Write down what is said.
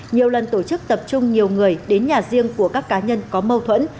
nhiều lần tổ chức tập trung nhiều người đến nhà riêng của các cá nhân có mâu thuẫn